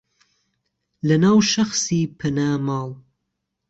لەناو شەخسی پەنا ماڵ